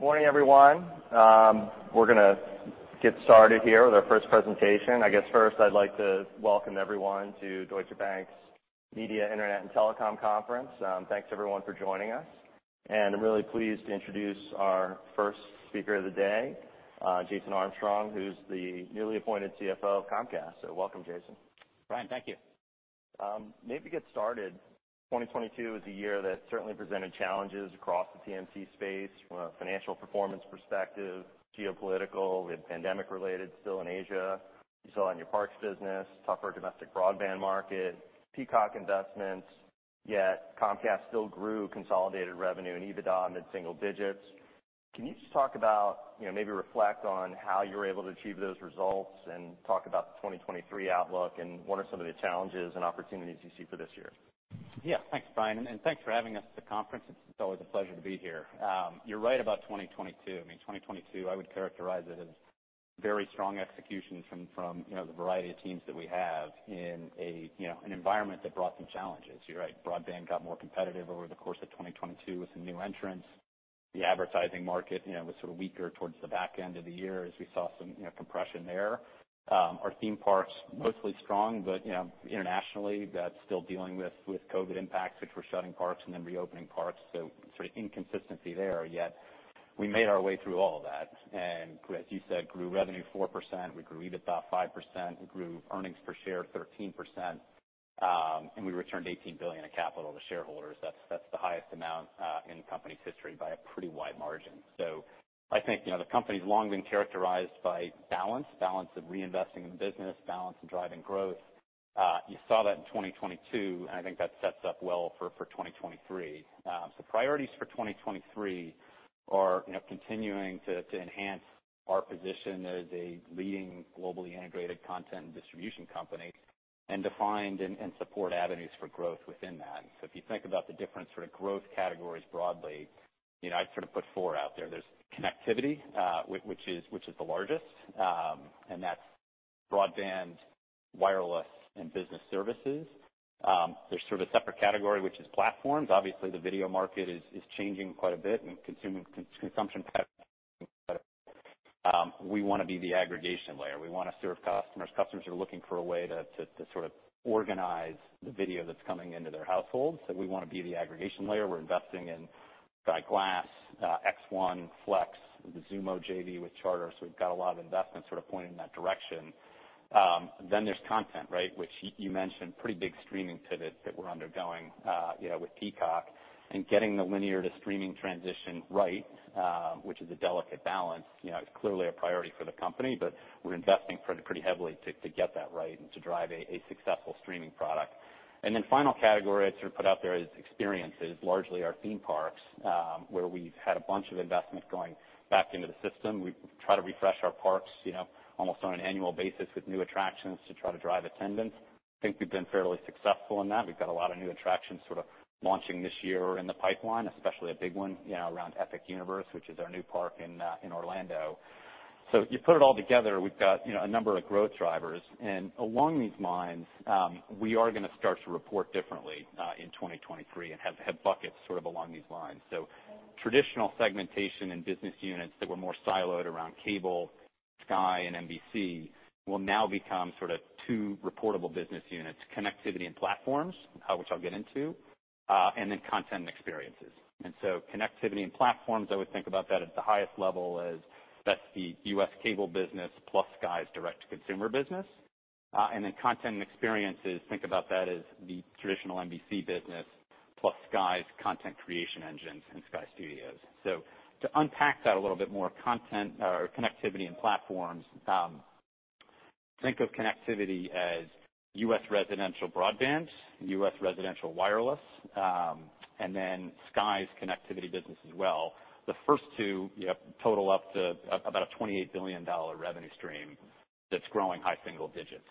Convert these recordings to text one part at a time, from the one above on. Morning, everyone. We're gonna get started here with our first presentation. I guess first I'd like to welcome everyone to Deutsche Bank's Media, Internet and Telecom Conference. Thanks everyone for joining us. I'm really pleased to introduce our first speaker of the day, Jason Armstrong, who's the newly appointed CFO of Comcast. Welcome, Jason. Bryan, thank you. Maybe get started. 2022 is a year that certainly presented challenges across the TMT space from a financial performance perspective, geopolitical, we had pandemic related still in Asia. You saw in your parks business, tougher domestic broadband market, Peacock investments, yet Comcast still grew consolidated revenue and EBITDA in mid-single digits. Can you just talk about, you know, maybe reflect on how you were able to achieve those results and talk about the 2023 outlook and what are some of the challenges and opportunities you see for this year? Thanks, Bryan, and thanks for having us at the conference. It's always a pleasure to be here. You're right about 2022. I mean, 2022, I would characterize it as very strong execution from, you know, the variety of teams that we have in a, you know, an environment that brought some challenges. You're right, broadband got more competitive over the course of 2022 with some new entrants. The advertising market, you know, was sort of weaker towards the back end of the year as we saw some, you know, compression there. Our theme parks, mostly strong, but, you know, internationally, that's still dealing with COVID impacts, which we're shutting parks and then reopening parks, so sort of inconsistency there. Yet we made our way through all of that, and as you said, grew revenue 4%, we grew EBITDA 5%, we grew earnings per share 13%, and we returned $18 billion of capital to shareholders. That's the highest amount in the company's history by a pretty wide margin. I think, you know, the company's long been characterized by balance of reinvesting in the business, balance of driving growth. You saw that in 2022, and I think that sets up well for 2023. Priorities for 2023 are, you know, continuing to enhance our position as a leading globally integrated content and distribution company, and to find and support avenues for growth within that. If you think about the different sort of growth categories broadly, you know, I'd sort of put four out there. There's connectivity, which is the largest, and that's broadband, wireless, and business services. There's sort of a separate category, which is platforms. Obviously, the video market is changing quite a bit and consumption patterns. We wanna be the aggregation layer. We wanna serve customers. Customers are looking for a way to sort of organize the video that's coming into their households, so we wanna be the aggregation layer. We're investing in Sky Glass, X1, Flex, the Xumo JV with Charter, so we've got a lot of investments sort of pointing in that direction. Then there's content, right? Which you mentioned pretty big streaming pivot that we're undergoing, you know, with Peacock and getting the linear to streaming transition right, which is a delicate balance. You know, it's clearly a priority for the company, but we're investing pretty heavily to get that right and to drive a successful streaming product. Final category I'd sort of put out there is experiences, largely our theme parks, where we've had a bunch of investments going back into the system. We try to refresh our parks, you know, almost on an annual basis with new attractions to try to drive attendance. I think we've been fairly successful in that. We've got a lot of new attractions sort of launching this year in the pipeline, especially a big one, you know, around Epic Universe, which is our new park in Orlando. You put it all together, we've got, you know, a number of growth drivers. Along these lines, we are gonna start to report differently in 2023 and have buckets sort of along these lines. Traditional segmentation and business units that were more siloed around cable, Sky, and NBC will now become sort of two reportable business units, connectivity and platforms, which I'll get into, and then content and experiences. Connectivity and platforms, I would think about that at the highest level as that's the U.S. cable business plus Sky's direct to consumer business. Then content and experiences, think about that as the traditional NBC business plus Sky's content creation engines and Sky Studios. To unpack that a little bit more content or connectivity and platforms, think of connectivity as U.S. residential broadband, U.S. residential wireless, Sky's connectivity business as well. The first two, you have total up to about a $28 billion revenue stream that's growing high single digits.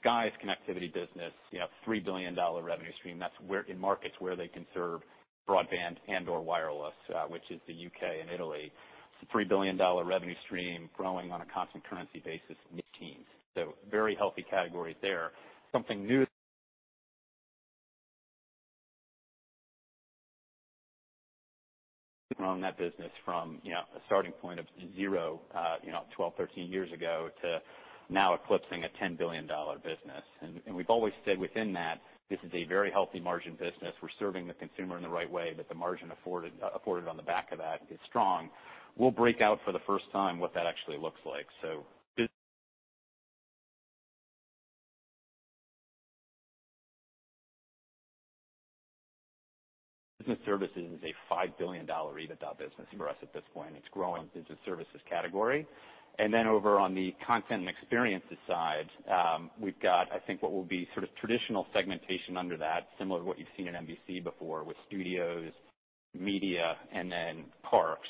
Sky's connectivity business, you have a $3 billion revenue stream. That's where in markets where they can serve broadband and/or wireless, which is the U.K. and Italy. It's a $3 billion revenue stream growing on a constant currency basis mid-teens. Very healthy categories there. Something new grown that business from, you know, a starting point of zero, you know, 12, 13 years ago to now eclipsing a $10 billion business. We've always said within that this is a very healthy margin business. We're serving the consumer in the right way, that the margin afforded on the back of that is strong. We'll break out for the first time what that actually looks like. Business services is a $5 billion EBITDA business for us at this point. It's growing business services category. Over on the content and experiences side, we've got I think what will be sort of traditional segmentation under that, similar to what you've seen in NBC before with studios, media, and then parks.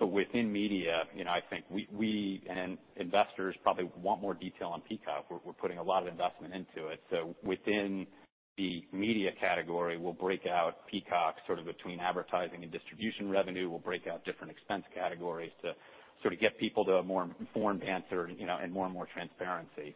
Within media, you know, I think we and investors probably want more detail on Peacock. We're putting a lot of investment into it. Within the media category, we'll break out Peacock sort of between advertising and distribution revenue. We'll break out different expense categories to sort of get people to a more informed answer, you know, and more and more transparency.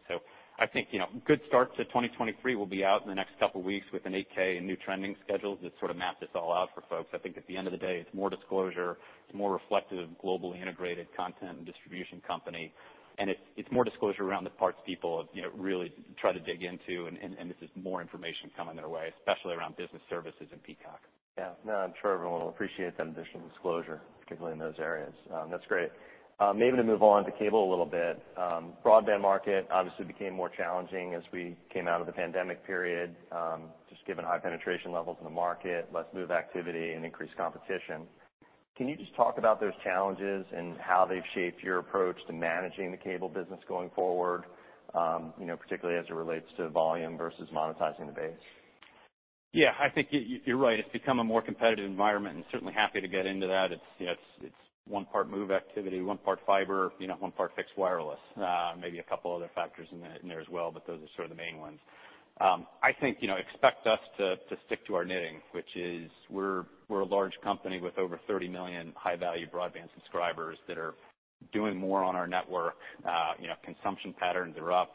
I think, you know, good start to 2023. We'll be out in the next couple weeks with an 8-K and new trending schedules that sort of map this all out for folks. I think at the end of the day, it's more disclosure, it's more reflective of globally integrated content and distribution company, and it's more disclosure around the parts people, you know, really try to dig into and, and this is more information coming their way, especially around business services and Peacock. No, I'm sure everyone will appreciate that additional disclosure, particularly in those areas. That's great. Maybe to move on to cable a little bit. Broadband market obviously became more challenging as we came out of the pandemic period, just given high penetration levels in the market, less move activity and increased competition. Can you just talk about those challenges and how they've shaped your approach to managing the cable business going forward, you know, particularly as it relates to volume versus monetizing the base? Yeah. I think you're right. It's become a more competitive environment and certainly happy to get into that. It's, you know, it's one part move activity, one part fiber, you know, one part fixed wireless, maybe a couple other factors in there as well, but those are sort of the main ones. I think, you know, expect us to stick to our knitting, which is we're a large company with over 30 million high value broadband subscribers that are doing more on our network. Consumption patterns are up.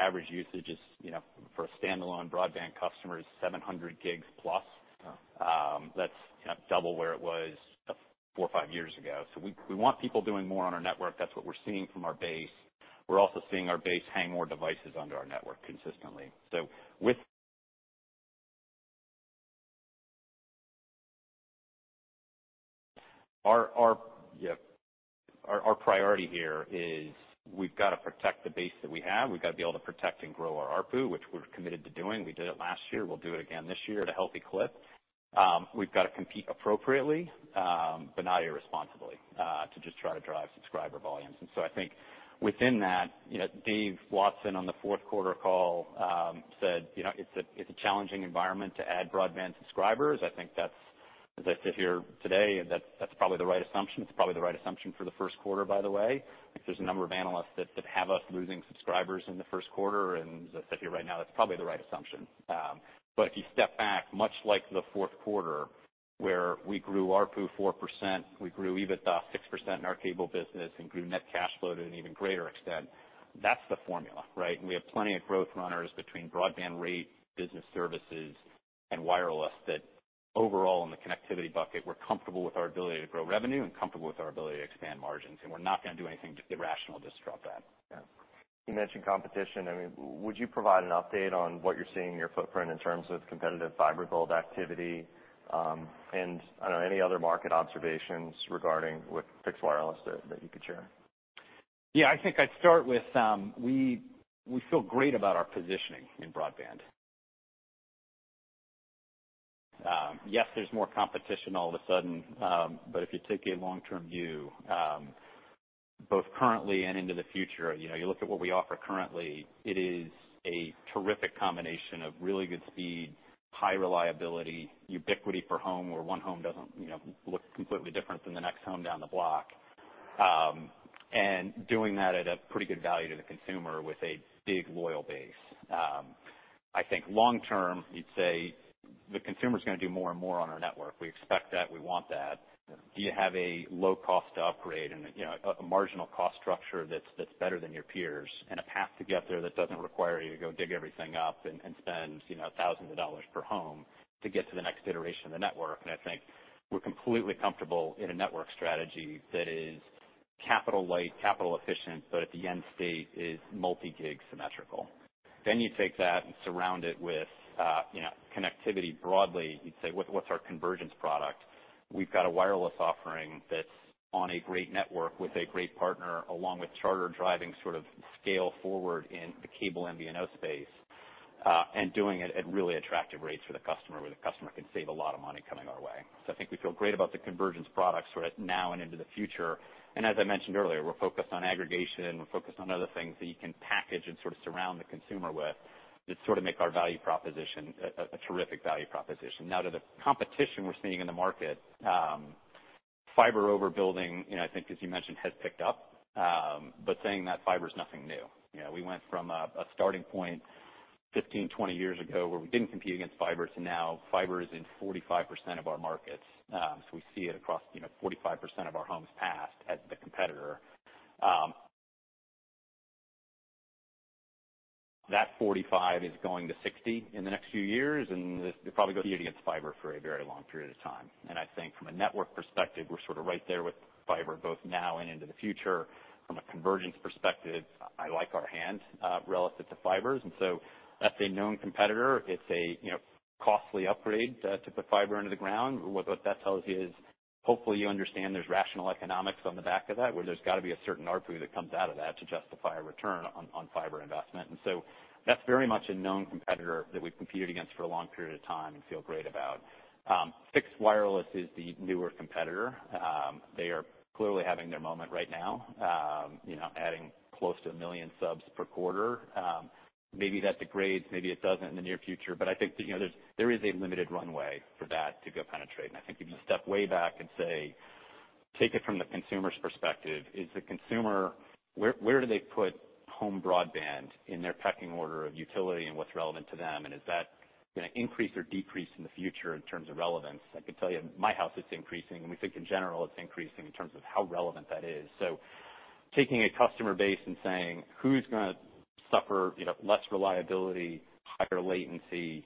Average usage is, you know, for a standalone broadband customer is 700+ gigs. Yeah. That's, you know, double where it was four or five years ago. We, we want people doing more on our network. That's what we're seeing from our base. We're also seeing our base hang more devices onto our network consistently. Our priority here is we've got to protect the base that we have. We've got to be able to protect and grow our ARPU, which we're committed to doing. We did it last year. We'll do it again this year at a healthy clip. We've got to compete appropriately, but not irresponsibly, to just try to drive subscriber volumes. I think within that, you know, Dave Watson on the fourth quarter call, said, you know, it's a, it's a challenging environment to add broadband subscribers. I think that's, as I sit here today, that's probably the right assumption. It's probably the right assumption for the first quarter, by the way. I think there's a number of analysts that have us losing subscribers in the first quarter. As I sit here right now, that's probably the right assumption. If you step back, much like the fourth quarter, where we grew ARPU 4%, we grew EBITDA 6% in our cable business and grew net cash flow to an even greater extent, that's the formula, right? We have plenty of growth runners between broadband rate, business services and wireless that overall in the connectivity bucket, we're comfortable with our ability to grow revenue and comfortable with our ability to expand margins. We're not gonna do anything irrational to disrupt that. Yeah. You mentioned competition. I mean, would you provide an update on what you're seeing in your footprint in terms of competitive fiber build activity? I don't know, any other market observations regarding with fixed wireless that you could share? Yeah. I think I'd start with, we feel great about our positioning in broadband. Yes, there's more competition all of a sudden. If you take a long term view, both currently and into the future, you know, you look at what we offer currently, it is a terrific combination of really good speed, high reliability, ubiquity for home, where one home doesn't, you know, look completely different than the next home down the block. Doing that at a pretty good value to the consumer with a big loyal base. I think long term, you'd say the consumer's gonna do more and more on our network. We expect that. We want that. Yeah. Do you have a low cost to upgrade and, you know, a marginal cost structure that's better than your peers, and a path to get there that doesn't require you to go dig everything up and spend, you know, thousands of dollars per home to get to the next iteration of the network? I think we're completely comfortable in a network strategy that is capital light, capital efficient, but at the end state is multi-gig symmetrical. You take that and surround it with, you know, connectivity broadly. You'd say, what's our convergence product? We've got a wireless offering that's on a great network with a great partner along with Charter driving sort of scale forward in the cable MVNO space, and doing it at really attractive rates for the customer, where the customer can save a lot of money coming our way. I think we feel great about the convergence products sort of now and into the future. As I mentioned earlier, we're focused on aggregation. We're focused on other things that you can package and sort of surround the consumer with that sort of make our value proposition a terrific value proposition. Now to the competition we're seeing in the market, fiber overbuilding, you know, I think as you mentioned, has picked up. Saying that, fiber's nothing new. You know, we went from a starting point 15, 20 years ago where we didn't compete against fiber to now fiber is in 45% of our markets. We see it across, you know, 45% of our homes passed as the competitor. That 45 is going to 60 in the next few years. It probably goes against fiber for a very long period of time. I think from a network perspective, we're sort of right there with fiber both now and into the future. From a convergence perspective, I like our hand relative to fibers. That's a known competitor. It's a, you know, costly upgrade to put fiber into the ground. What that tells you is hopefully you understand there's rational economics on the back of that, where there's got to be a certain ARPU that comes out of that to justify a return on fiber investment. That's very much a known competitor that we've competed against for a long period of time and feel great about. Fixed wireless is the newer competitor. They are clearly having their moment right now, you know, adding close to 1 million subs per quarter. Maybe that degrades, maybe it doesn't in the near future, but I think that, you know, there is a limited runway for that to go penetrate. I think if you step way back and say, take it from the consumer's perspective. Is the consumer, where do they put home broadband in their pecking order of utility and what's relevant to them? Is that gonna increase or decrease in the future in terms of relevance? I can tell you, in my house, it's increasing, and we think in general it's increasing in terms of how relevant that is. Taking a customer base and saying, "Who's gonna suffer, you know, less reliability, higher latency,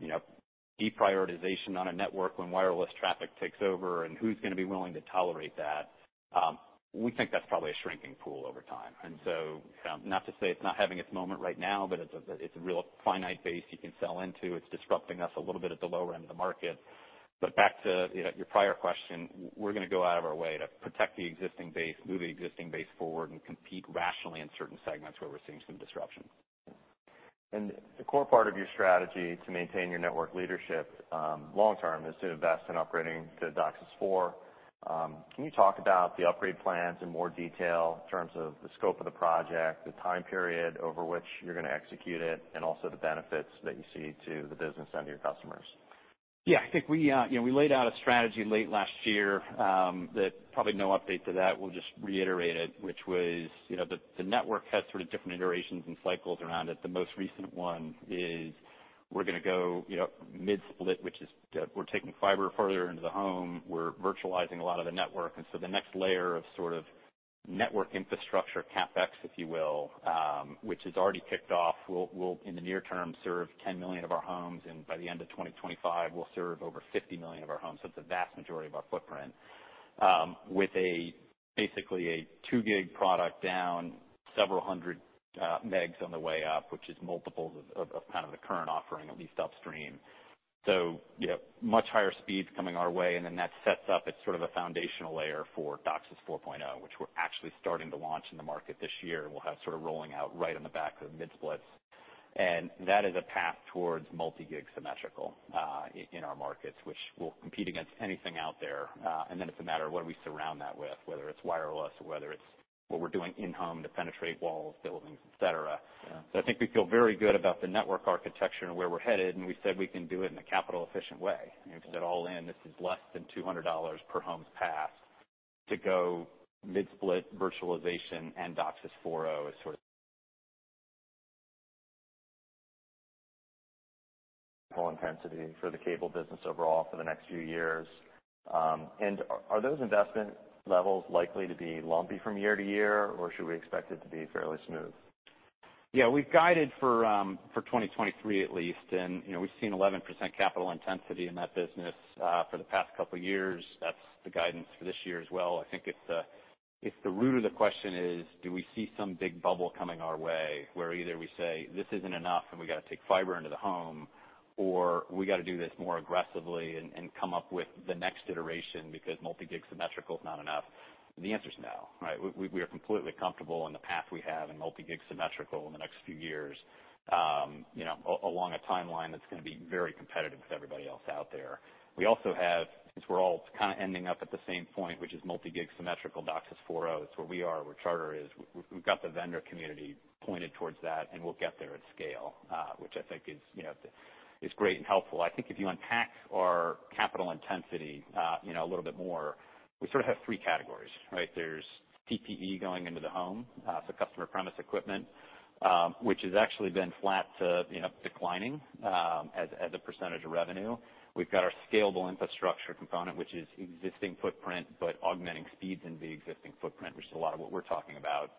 you know, deprioritization on a network when wireless traffic takes over, and who's gonna be willing to tolerate that?" We think that's probably a shrinking pool over time. Not to say it's not having its moment right now, but it's a real finite base you can sell into. It's disrupting us a little bit at the lower end of the market. Back to, you know, your prior question, we're gonna go out of our way to protect the existing base, move the existing base forward, and compete rationally in certain segments where we're seeing some disruption. The core part of your strategy to maintain your network leadership, long term is to invest in upgrading to DOCSIS 4.0. Can you talk about the upgrade plans in more detail in terms of the scope of the project, the time period over which you're gonna execute it, and also the benefits that you see to the business and to your customers? Yeah. I think we, you know, we laid out a strategy late last year, that probably no update to that. We'll just reiterate it, which was, you know, the network had sort of different iterations and cycles around it. The most recent one is we're gonna go, you know, mid-split, which is, we're taking fiber further into the home. We're virtualizing a lot of the network. The next layer of sort of network infrastructure CapEx, if you will, which has already kicked off, will, in the near term, serve 10 million of our homes. By the end of 2025, we'll serve over 50 million of our homes. It's a vast majority of our footprint, with a basically a 2 gig product down several hundred megs on the way up, which is multiples of the current offering, at least upstream. You have much higher speeds coming our way, and then that sets up as sort of a foundational layer for DOCSIS 4.0 point O, which we're actually starting to launch in the market this year. We'll have sort of rolling out right on the back of the mid-splits. That is a path towards multi-gig symmetrical in our markets, which will compete against anything out there. Then it's a matter of what do we surround that with, whether it's wireless or whether it's what we're doing in-home to penetrate walls, buildings, et cetera. Yeah. I think we feel very good about the network architecture and where we're headed, and we said we can do it in a capital-efficient way. You know, 'cause at all in, this is less than $200 per homes passed to go mid-split virtualization and DOCSIS 4.0 as sort of intensity for the cable business overall for the next few years. Are those investment levels likely to be lumpy from year to year, or should we expect it to be fairly smooth? Yeah. We've guided for 2023 at least, and, you know, we've seen 11% capital intensity in that business for the past couple years. That's the guidance for this year as well. I think if the, if the root of the question is, do we see some big bubble coming our way, where either we say, "This isn't enough, and we gotta take fiber into the home," or, "We gotta do this more aggressively and come up with the next iteration because multi-gig symmetrical is not enough," the answer is no, right. We are completely comfortable in the path we have in multi-gig symmetrical in the next few years, you know, along a timeline that's gonna be very competitive with everybody else out there. We also have, since we're all kind of ending up at the same point, which is multi-gig symmetrical DOCSIS 4.0. It's where we are, where Charter is. We've got the vendor community pointed towards that, and we'll get there at scale, which I think is, you know, is great and helpful. I think if you unpack our capital intensity, you know, a little bit more, we sort of have three categories, right? There's CPE going into the home, so customer premise equipment, which has actually been flat to, you know, declining, as a percentage of revenue. We've got our scalable infrastructure component, which is existing footprint, but augmenting speeds in the existing footprint, which is a lot of what we're talking about.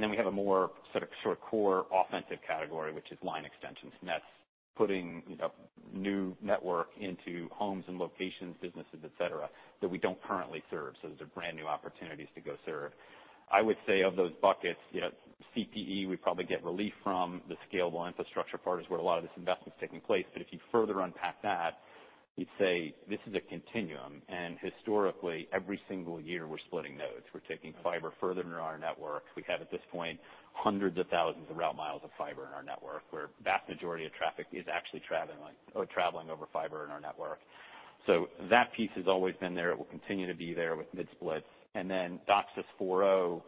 Then we have a more sort of short core offensive category, which is line extensions, and that's putting, you know, new network into homes and locations, businesses, et cetera, that we don't currently serve. Those are brand-new opportunities to go serve. I would say of those buckets, you know, CPE, we probably get relief from. The scalable infrastructure part is where a lot of this investment's taking place. If you further unpack that, you'd say this is a continuum. Historically, every single year, we're splitting nodes. We're taking fiber further into our network. We have at this point hundreds of thousands of route miles of fiber in our network, where vast majority of traffic is actually traveling over fiber in our network. That piece has always been there. It will continue to be there with mid-splits. DOCSIS 4.0,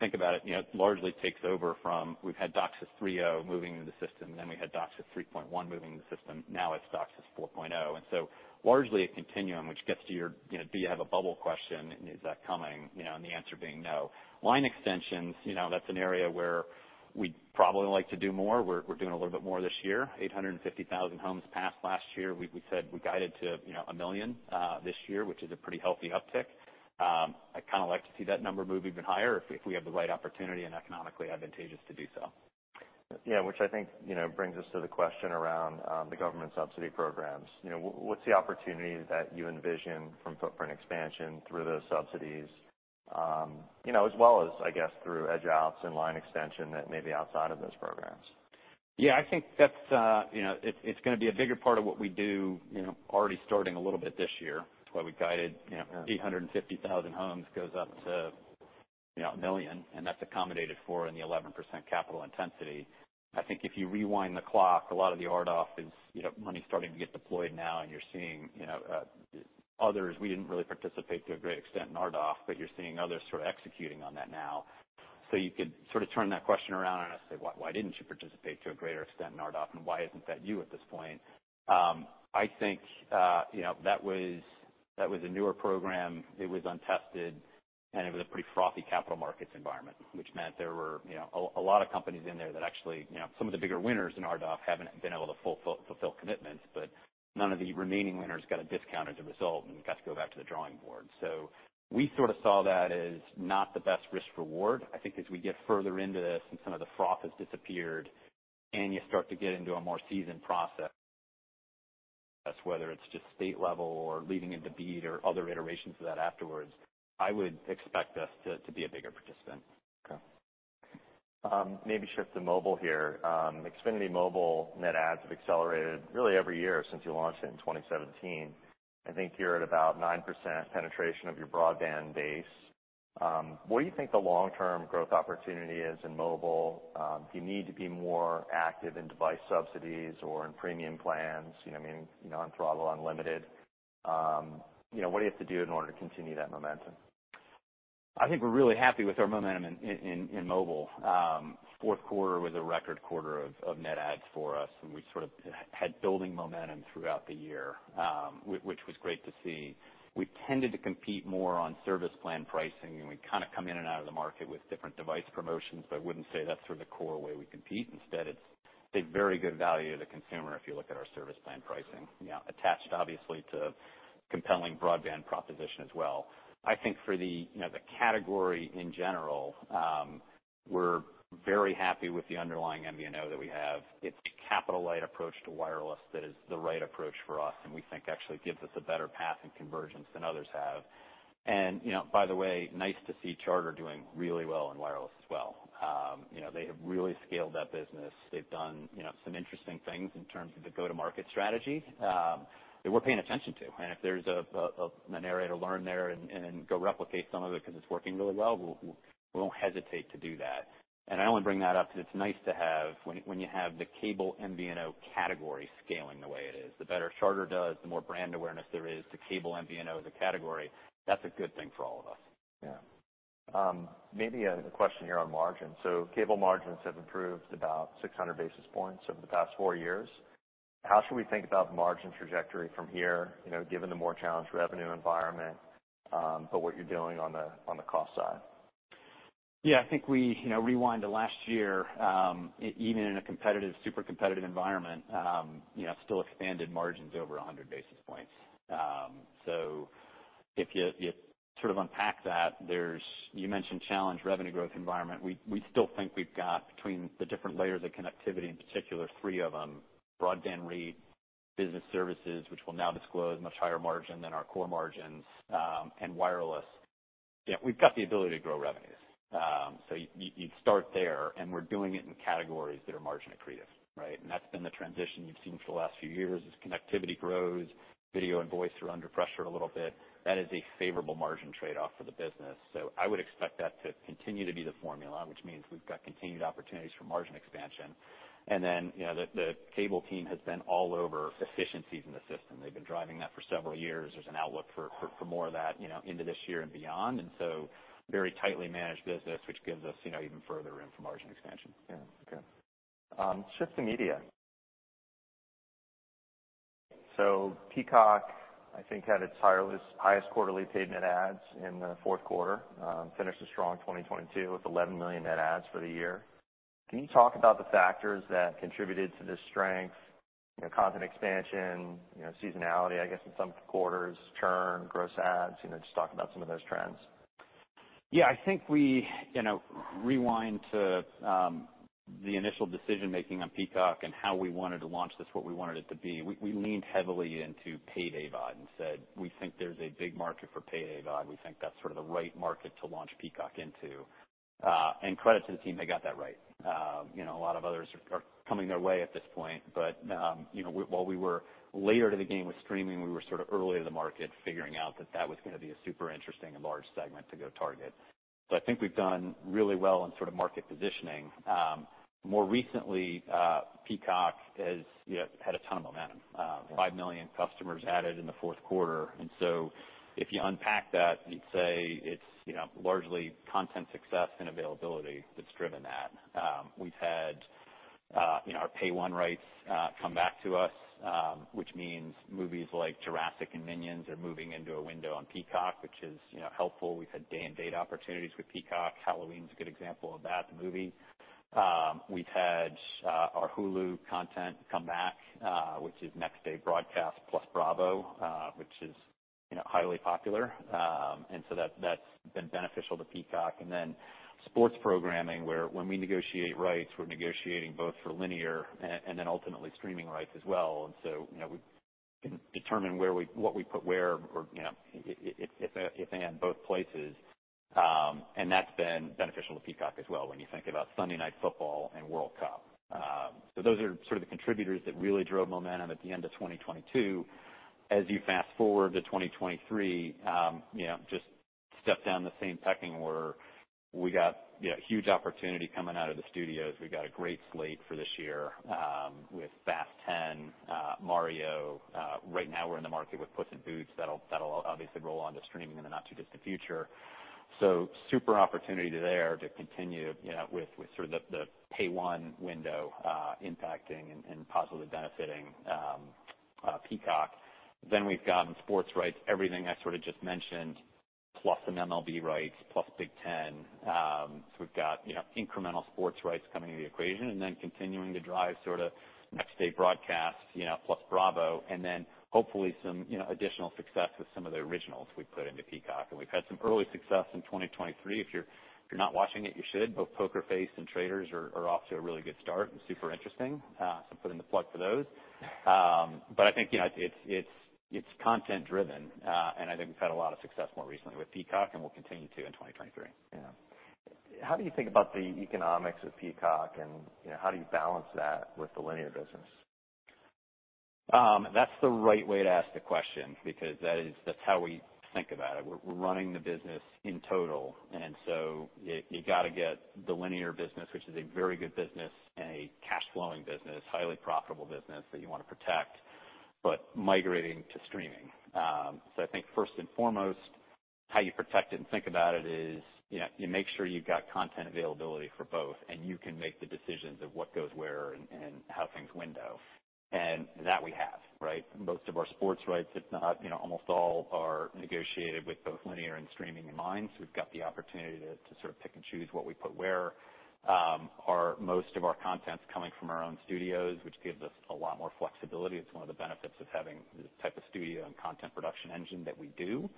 think about it, you know, it largely takes over from we've had DOCSIS 3.0 moving into the system. We had DOCSIS 3.1 moving into the system. Now it's DOCSIS 4.0. Largely a continuum, which gets to your, you know, do you have a bubble question, and is that coming, you know, and the answer being no. Line extensions, you know, that's an area where we'd probably like to do more. We're doing a little bit more this year. 850,000 homes passed last year. We said we guided to, you know, 1 million this year, which is a pretty healthy uptick. I'd kinda like to see that number move even higher if we have the right opportunity and economically advantageous to do so. Yeah. Which I think, you know, brings us to the question around the government subsidy programs. You know, what's the opportunity that you envision from footprint expansion through those subsidies, you know, as well as, I guess, through edge outs and line extension that may be outside of those programs? Yeah. I think that's, you know, it's gonna be a bigger part of what we do, you know, already starting a little bit this year. That's why we guided, you know, 850,000 homes goes up to, you know, 1 million, and that's accommodated for in the 11% capital intensity. I think if you rewind the clock, a lot of the RDOF is, you know, money starting to get deployed now and you're seeing, you know, others. We didn't really participate to a great extent in RDOF, but you're seeing others sort of executing on that now. You could sort of turn that question around on us, say why didn't you participate to a greater extent in RDOF, and why isn't that you at this point? I think, you know, that was a newer program. It was untested, it was a pretty frothy capital markets environment, which meant there were, you know, a lot of companies in there that actually, you know, some of the bigger winners in RDOF haven't been able to fulfill commitments. None of the remaining winners got a discount as a result, we've got to go back to the drawing board. We sort of saw that as not the best risk reward. I think as we get further into this some of the froth has disappeared, you start to get into a more seasoned process, whether it's just state level or leading into BEAD or other iterations of that afterwards, I would expect us to be a bigger participant. Okay. maybe shift to mobile here. Xfinity Mobile net adds have accelerated really every year since you launched it in 2017. I think you're at about 9% penetration of your broadband base. what do you think the long-term growth opportunity is in mobile? do you need to be more active in device subsidies or in premium plans? You know, I mean, non-throttle unlimited. you know, what do you have to do in order to continue that momentum? I think we're really happy with our momentum in mobile. Fourth quarter was a record quarter of net adds for us. We sort of had building momentum throughout the year, which was great to see. We tended to compete more on service plan pricing. We kind of come in and out of the market with different device promotions. I wouldn't say that's sort of the core way we compete. Instead, it's a very good value to the consumer if you look at our service plan pricing. You know, attached obviously to compelling broadband proposition as well. I think for the, you know, the category in general, we're very happy with the underlying MVNO that we have. It's a capital light approach to wireless that is the right approach for us, and we think actually gives us a better path in convergence than others have. You know, by the way, nice to see Charter doing really well in wireless as well. You know, they have really scaled that business. They've done, you know, some interesting things in terms of the go-to-market strategy that we're paying attention to. If there's an area to learn there and go replicate some of it 'cause it's working really well, we won't hesitate to do that. I only bring that up because it's nice to have when you have the cable MVNO category scaling the way it is, the better Charter does, the more brand awareness there is to cable MVNO as a category. That's a good thing for all of us. Yeah. Maybe a question here on margins. Cable margins have improved about 600 basis points over the past four years. How should we think about margin trajectory from here, you know, given the more challenged revenue environment, but what you're doing on the, on the cost side? Yeah. I think we, you know, rewind to last year, even in a competitive, super competitive environment, you know, still expanded margins over 100 basis points. If you sort of unpack that, You mentioned challenged revenue growth environment. We, we still think we've got between the different layers of connectivity, in particular three of them, broadband rate business services, which we'll now disclose much higher margin than our core margins, and wireless. Yeah, we've got the ability to grow revenues. You, you start there, and we're doing it in categories that are margin accretive, right? That's been the transition you've seen for the last few years. As connectivity grows, video and voice are under pressure a little bit. That is a favorable margin trade-off for the business. I would expect that to continue to be the formula, which means we've got continued opportunities for margin expansion. You know, the cable team has been all over efficiencies in the system. They've been driving that for several years. There's an outlook for more of that, you know, into this year and beyond. Very tightly managed business, which gives us, you know, even further room for margin expansion. Yeah. Okay. shift to media. Peacock, I think, had its highest quarterly paid net adds in the fourth quarter. finished a strong 2022 with 11 million net adds for the year. Can you talk about the factors that contributed to this strength? You know, content expansion, you know, seasonality I guess in some quarters, churn, gross adds, you know, just talk about some of those trends. Yeah. I think we, you know, rewind to the initial decision-making on Peacock and how we wanted to launch this, what we wanted it to be. We leaned heavily into pay AVOD and said, we think there's a big market for pay AVOD. We think that's sort of the right market to launch Peacock into. Credit to the team, they got that right. You know, a lot of others are coming their way at this point. While we were later to the game with streaming, we were sort of early to the market figuring out that that was gonna be a super interesting and large segment to go target. I think we've done really well in sort of market positioning. More recently, Peacock has, you know, had a ton of momentum. 5 million customers added in the fourth quarter. If you unpack that and say it's, you know, largely content success and availability that's driven that. We've had, you know, our pay one rights come back to us, which means movies like Jurassic and Minions are moving into a window on Peacock, which is, you know, helpful. We've had day and date opportunities with Peacock. Halloween's a good example of that, the movie. We've had our Hulu content come back, which is next day broadcast plus Bravo, which is, you know, highly popular. That's been beneficial to Peacock. Sports programming where when we negotiate rights, we're negotiating both for linear and then ultimately streaming rights as well. You know, we can determine what we put where or, you know, if they have both places. That's been beneficial to Peacock as well when you think about Sunday Night Football and World Cup. Those are sort of the contributors that really drove momentum at the end of 2022. As you fast-forward to 2023, you know, just step down the same pecking order. We got, you know, huge opportunity coming out of the studios. We've got a great slate for this year, with Fast X, Mario. Right now we're in the market with Puss in Boots. That'll obviously roll onto streaming in the not too distant future. Super opportunity there to continue, you know, with sort of the pay one window, impacting and positively benefiting Peacock. We've gotten sports rights, everything I sort of just mentioned, plus some MLB rights, plus Big Ten. We've got, you know, incremental sports rights coming into the equation, and then continuing to drive sort of next day broadcasts, you know, plus Bravo, and then hopefully some, you know, additional success with some of the originals we've put into Peacock. We've had some early success in 2023. If you're not watching it, you should. Both Poker Face and The Traitors are off to a really good start and super interesting. Putting the plug for those. I think, you know, it's content driven, and I think we've had a lot of success more recently with Peacock and will continue to in 2023. Yeah. How do you think about the economics of Peacock and, you know, how do you balance that with the linear business? That's the right way to ask the question because that's how we think about it. We're running the business in total, you gotta get the linear business, which is a very good business and a cash flowing business, highly profitable business that you wanna protect, but migrating to streaming. I think first and foremost, how you protect it and think about it is, you know, you make sure you've got content availability for both, and you can make the decisions of what goes where and how things window. That we have, right? Most of our sports rights, if not, you know, almost all are negotiated with both linear and streaming in mind, so we've got the opportunity to sort of pick and choose what we put where. Most of our content's coming from our own studios, which gives us a lot more flexibility. It's one of the benefits of having the type of studio and content production engine that we do.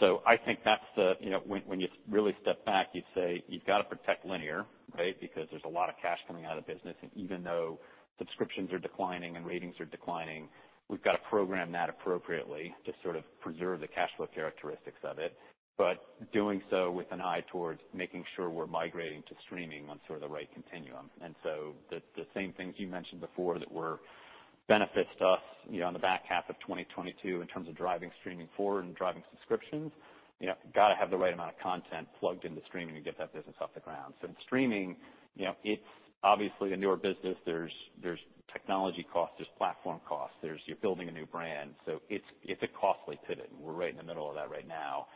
You know, when you really step back, you'd say you've gotta protect linear, right? Because there's a lot of cash coming out of the business, and even though subscriptions are declining and ratings are declining, we've gotta program that appropriately to sort of preserve the cash flow characteristics of it. Doing so with an eye towards making sure we're migrating to streaming on sort of the right continuum. The, the same things you mentioned before that were benefit to us, you know, in the back half of 2022 in terms of driving streaming forward and driving subscriptions, you know, gotta have the right amount of content plugged into streaming to get that business off the ground. In streaming, you know, it's obviously a newer business. There's technology costs, there's platform costs, there's, you're building a new brand. It's, it's a costly pivot, and we're right in the middle of that right now.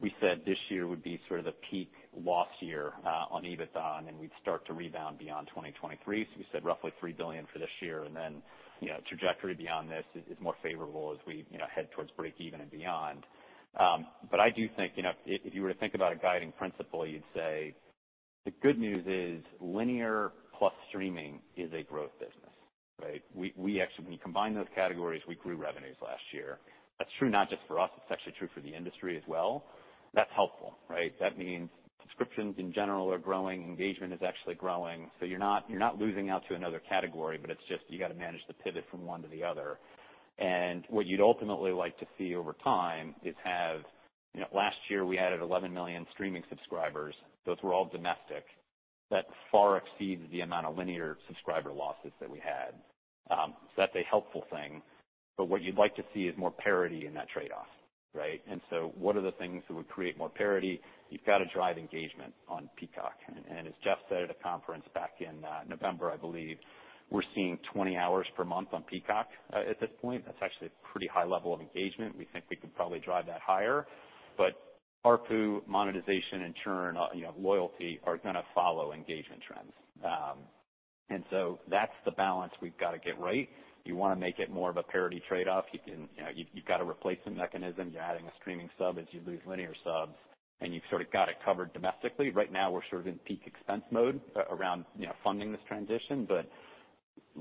We said this year would be sort of the peak loss year on EBITDA, and then we'd start to rebound beyond 2023. We said roughly $3 billion for this year and then, you know, trajectory beyond this is more favorable as we, you know, head towards breakeven and beyond. I do think, you know, if you were to think about a guiding principle, you'd say the good news is linear plus streaming is a growth business, right? When you combine those categories, we grew revenues last year. That's true not just for us, it's actually true for the industry as well. That's helpful, right? That means subscriptions in general are growing, engagement is actually growing. You're not losing out to another category, but it's just you gotta manage the pivot from one to the other. What you'd ultimately like to see over time is, you know, last year we added 11 million streaming subscribers. Those were all domestic. That far exceeds the amount of linear subscriber losses that we had. That's a helpful thing. What you'd like to see is more parity in that trade-off, right? What are the things that would create more parity? You've gotta drive engagement on Peacock. As Jeff said at a conference back in November, I believe, we're seeing 20 hours per month on Peacock at this point. That's actually a pretty high level of engagement. We think we could probably drive that higher. ARPU monetization and churn, you know, loyalty are gonna follow engagement trends. That's the balance we've gotta get right. You wanna make it more of a parity trade-off. You can, you know, you've got a replacement mechanism. You're adding a streaming sub as you lose linear subs, and you've sorta got it covered domestically. Right now, we're sort of in peak expense mode around, you know, funding this transition.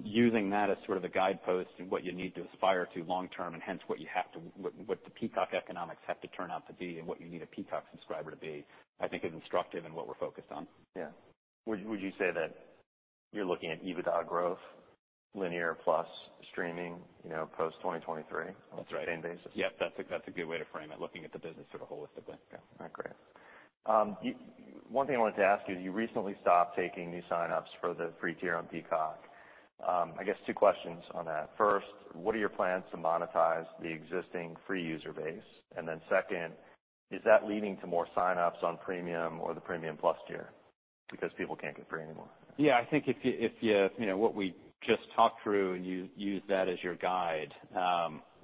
Using that as sort of the guidepost in what you need to aspire to long term, and hence, what the Peacock economics have to turn out to be and what you need a Peacock subscriber to be, I think is instructive in what we're focused on. Yeah. Would you say that you're looking at EBITDA growth, linear plus streaming, you know, post 2023? That's right. on the same basis? Yep, that's a good way to frame it, looking at the business sort of holistically. Yeah. All right, great. One thing I wanted to ask you is you recently stopped taking new signups for the free tier on Peacock. I guess two questions on that. First, what are your plans to monetize the existing free user base? Second, is that leading to more signups on Premium or the Premium Plus Tier because people can't get free anymore? Yeah. I think if you know, what we just talked through and use that as your guide,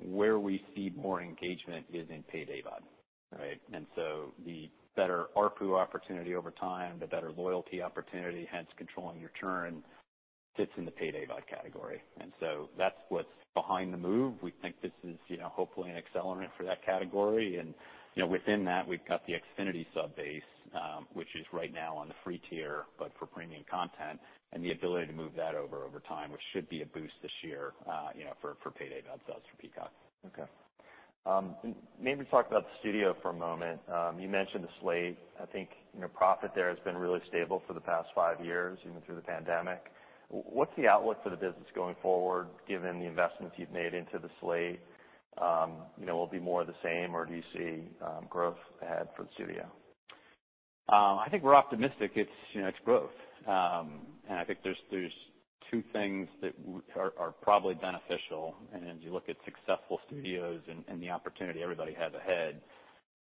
where we see more engagement is in paid AVOD, right? The better ARPU opportunity over time, the better loyalty opportunity, hence controlling your churn, sits in the paid AVOD category. That's what's behind the move. We think this is, you know, hopefully an accelerant for that category. Within that, we've got the Xfinity sub-base, which is right now on the free tier, but for premium content, and the ability to move that over over time, which should be a boost this year, you know, for paid AVOD sales for Peacock. Okay. Maybe talk about the studio for a moment. You mentioned the slate. I think, you know, profit there has been really stable for the past five years, even through the pandemic. What's the outlook for the business going forward given the investments you've made into the slate? You know, will it be more of the same, or do you see growth ahead for the studio? I think we're optimistic it's, you know, it's growth. I think there's two things that are probably beneficial, and as you look at successful studios and the opportunity everybody has ahead,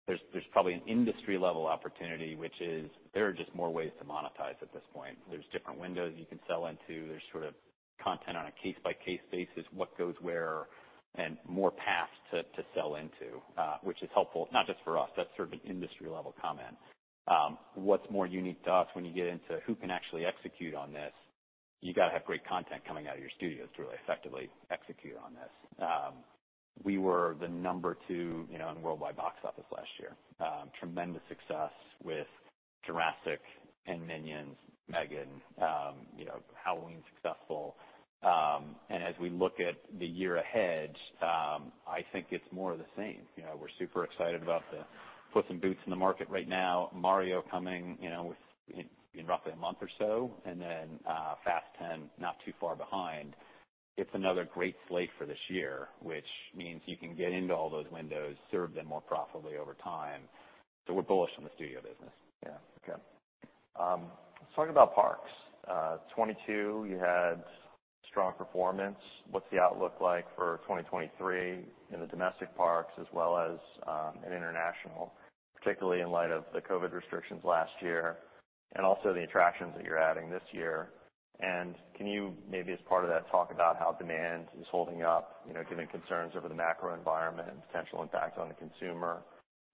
there's probably an industry level opportunity, which is there are just more ways to monetize at this point. There's different windows you can sell into. There's sort of content on a case-by-case basis, what goes where, and more paths to sell into, which is helpful not just for us. That's sort of an industry level comment. What's more unique to us when you get into who can actually execute on this. You gotta have great content coming out of your studios to really effectively execute on this. We were the number two, you know, in worldwide box office last year. tremendous success with Jurassic and Minions, M3GAN, you know, Halloween, successful. As we look at the year ahead, I think it's more of the same. You know, we're super excited about the Puss in Boots in the market right now, Mario coming, you know, in roughly a month or so, then Fast X not too far behind. It's another great slate for this year, which means you can get into all those windows, serve them more profitably over time. We're bullish on the studio business. Yeah. Okay. Let's talk about parks. 2022 you had strong performance. What's the outlook like for 2023 in the domestic parks as well as in international, particularly in light of the COVID restrictions last year, and also the attractions that you're adding this year? Can you maybe as part of that talk about how demand is holding up, you know, given concerns over the macro environment and potential impact on the consumer?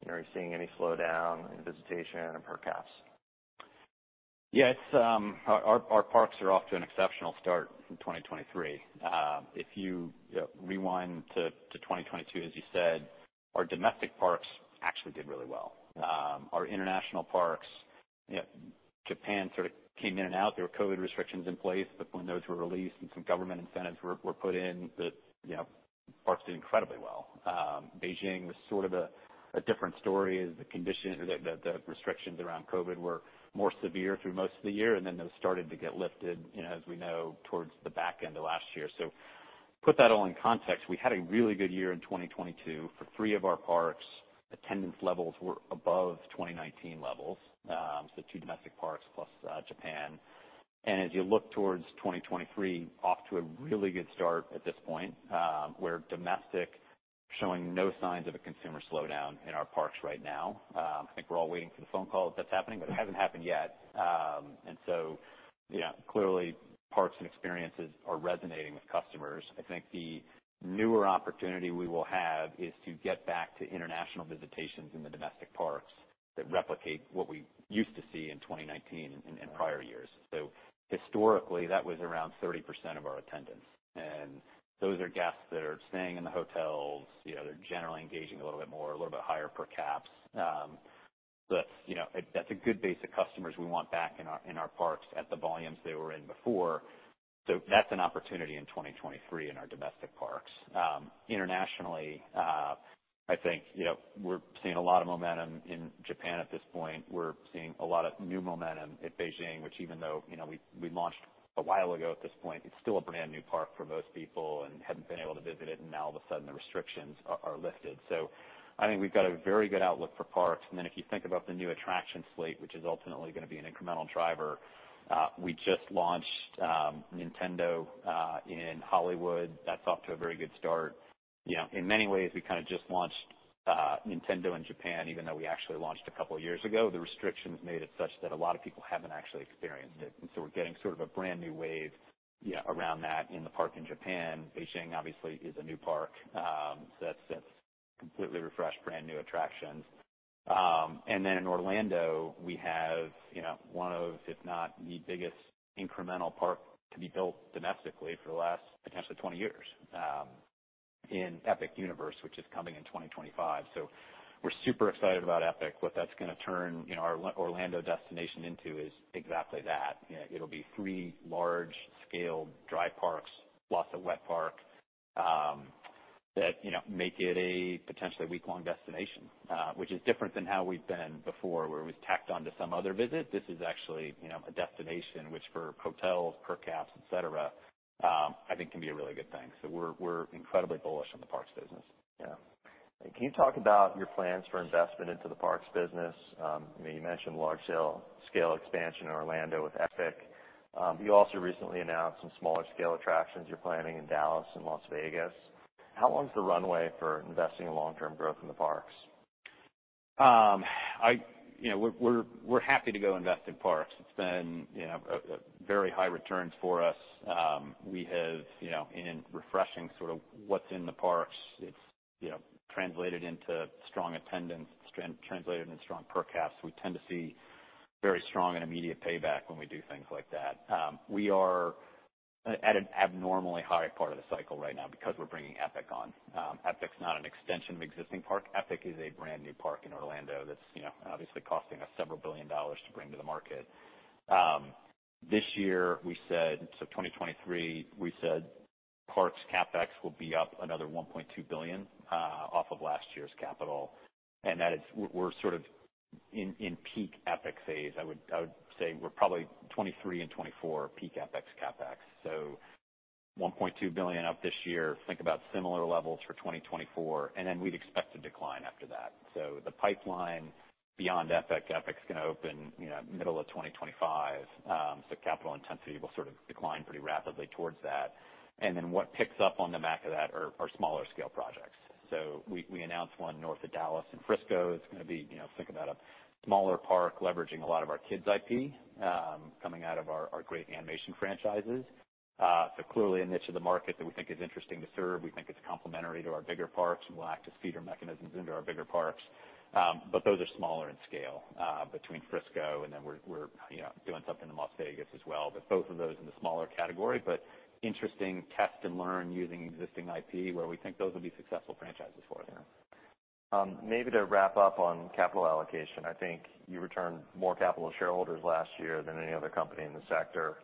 You know, are you seeing any slowdown in visitation and per caps? Yes, our parks are off to an exceptional start in 2023. If you rewind to 2022, as you said, our domestic parks actually did really well. Our international parks, you know, Japan sort of came in and out. There were COVID restrictions in place, but when those were released and some government incentives were put in, you know, parks did incredibly well. Beijing was sort of a different story as the condition or the restrictions around COVID were more severe through most of the year, and then those started to get lifted, you know, as we know, towards the back end of last year. Put that all in context, we had a really good year in 2022. For three of our parks, attendance levels were above 2019 levels, so two domestic parks plus Japan. As you look towards 2023, off to a really good start at this point, where domestic showing no signs of a consumer slowdown in our parks right now. I think we're all waiting for the phone call if that's happening, but it hasn't happened yet. Yeah, clearly parks and experiences are resonating with customers. I think the newer opportunity we will have is to get back to international visitations in the domestic parks that replicate what we used to see in 2019 and prior years. Historically, that was around 30% of our attendance, and those are guests that are staying in the hotels. You know, they're generally engaging a little bit more, a little bit higher per caps. That's, you know, that's a good base of customers we want back in our, in our parks at the volumes they were in before. That's an opportunity in 2023 in our domestic parks. Internationally, I think, you know, we're seeing a lot of momentum in Japan at this point. We're seeing a lot of new momentum in Beijing, which even though, you know, we launched a while ago at this point, it's still a brand new park for most people and hadn't been able to visit it, and now all of a sudden the restrictions are lifted. I think we've got a very good outlook for parks. If you think about the new attraction slate, which is ultimately gonna be an incremental driver, we just launched Nintendo in Hollywood. That's off to a very good start. You know, in many ways, we kinda just launched Nintendo in Japan, even though we actually launched a couple years ago. The restrictions made it such that a lot of people haven't actually experienced it, and so we're getting sort of a brand new wave, you know, around that in the park in Japan. Beijing obviously is a new park, so that's completely refreshed brand new attractions. In Orlando, we have, you know, one of, if not the biggest incremental park to be built domestically for the last potentially 20 years, in Epic Universe, which is coming in 2025. We're super excited about Epic. What that's gonna turn, you know, our Orlando destination into is exactly that. You know, it'll be three large-scale dry parks, plus a wet park, that, you know, make it a potentially week-long destination, which is different than how we've been before, where it was tacked on to some other visit. This is actually, you know, a destination which for hotels, per caps, et cetera, I think can be a really good thing. We're incredibly bullish on the parks business. Yeah. Can you talk about your plans for investment into the parks business? I mean, you mentioned large-scale expansion in Orlando with Epic. You also recently announced some smaller scale attractions you're planning in Dallas and Las Vegas. How long is the runway for investing in long-term growth in the parks? You know, we're happy to go invest in parks. It's been, you know, a very high returns for us. We have, you know, in refreshing sort of what's in the parks, it's, you know, translated into strong attendance, translated into strong per caps. We tend to see very strong and immediate payback when we do things like that. We are at an abnormally high part of the cycle right now because we're bringing Epic on. Epic's not an extension of existing park. Epic is a brand new park in Orlando that's, you know, obviously costing us $several billion to bring to the market. This year we said, so 2023, we said parks CapEx will be up another $1.2 billion off of last year's capital, and that we're sort of in peak Epic phase. I would say we're probably 2023 and 2024 peak CapEx. $1.2 billion up this year. Think about similar levels for 2024, then we'd expect a decline after that. The pipeline beyond Epic's gonna open, you know, middle of 2025. Capital intensity will sort of decline pretty rapidly towards that. What picks up on the back of that are smaller scale projects. We announced one north of Dallas in Frisco. It's gonna be, you know, think about a smaller park leveraging a lot of our kids IP, coming out of our great animation franchises. Clearly a niche of the market that we think is interesting to serve. We think it's complementary to our bigger parks, and we'll act as feeder mechanisms into our bigger parks. Those are smaller in scale, between Frisco, and then we're, you know, doing something in Las Vegas as well. Both of those in the smaller category, but interesting test and learn using existing IP where we think those will be successful franchises for us. Yeah. Maybe to wrap up on capital allocation, I think you returned more capital to shareholders last year than any other company in the sector,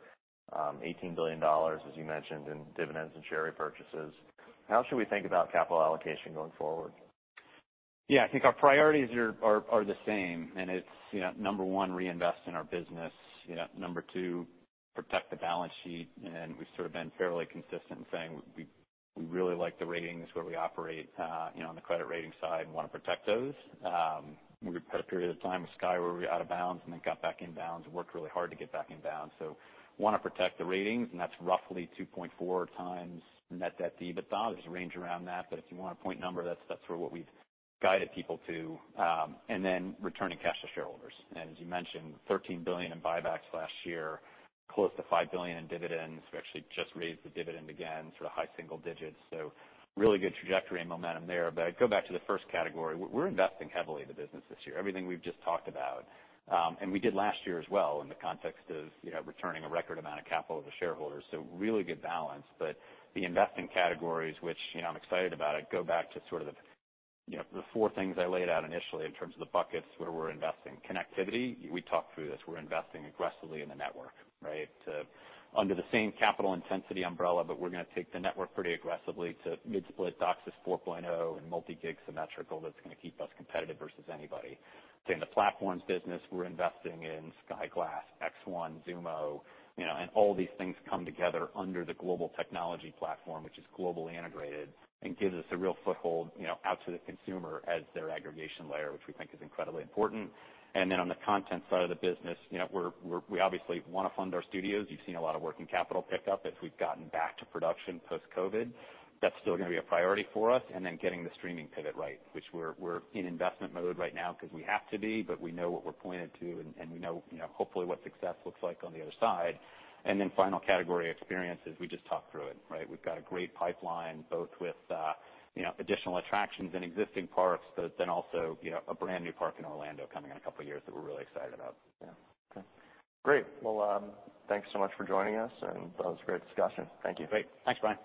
$18 billion, as you mentioned in dividends and share repurchases. How should we think about capital allocation going forward? Yeah. I think our priorities here are the same, it's, you know, number one, reinvest in our business. number two, protect the balance sheet, we've sort of been fairly consistent in saying we really like the ratings where we operate, you know, on the credit rating side and wanna protect those. We had a period of time with Sky where we were out of bounds and then got back in bounds and worked really hard to get back in bounds. wanna protect the ratings, and that's roughly 2.4x net debt to EBITDA. There's a range around that, but if you want a point number, that's sort of what we've guided people to, returning cash to shareholders. As you mentioned, $13 billion in buybacks last year, close to $5 billion in dividends. We actually just raised the dividend again, sort of high single digits, so really good trajectory and momentum there. I'd go back to the first category. We're investing heavily in the business this year, everything we've just talked about, and we did last year as well in the context of, you know, returning a record amount of capital to shareholders, so really good balance. The investing categories, which, you know, I'm excited about, I'd go back to sort of the, you know, the four things I laid out initially in terms of the buckets where we're investing. Connectivity, we talked through this. We're investing aggressively in the network, right? under the same capital intensity umbrella, but we're gonna take the network pretty aggressively to mid-split DOCSIS 4.0 and multi-gig symmetrical that's gonna keep us competitive versus anybody. In the platforms business, we're investing in Sky Glass, X1, Xumo, you know, and all these things come together under the global technology platform, which is globally integrated and gives us a real foothold, you know, out to the consumer as their aggregation layer, which we think is incredibly important. On the content side of the business, you know, we obviously wanna fund our studios. You've seen a lot of working capital pick up as we've gotten back to production post-COVID. That's still gonna be a priority for us, getting the streaming pivot right, which we're in investment mode right now because we have to be, but we know what we're pointed to and we know, you know, hopefully what success looks like on the other side. Final category experiences, we just talked through it, right? We've got a great pipeline both with, you know, additional attractions in existing parks, but then also, you know, a brand new park in Orlando coming in a couple years that we're really excited about. Yeah. Okay. Great. Well, thanks so much for joining us, that was a great discussion. Thank you. Great. Thanks, Bryan.